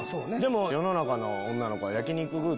世の中の女の子は焼き肉食う